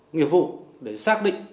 nghiệp vụ để xác định